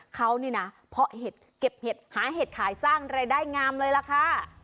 เขานี่นะเพาะเห็ดเก็บเห็ดหาเห็ดขายสร้างรายได้งามเลยล่ะค่ะ